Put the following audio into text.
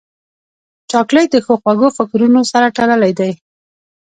چاکلېټ د ښو خوږو فکرونو سره تړلی دی.